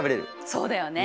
そうだよね。